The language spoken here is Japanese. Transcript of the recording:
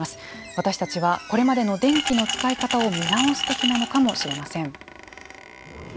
私たちはこれまでの電気の使い方を見直すときなのかもしれません。